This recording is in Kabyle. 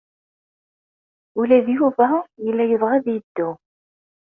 Ula d Yuba yella yebɣa ad yeddu.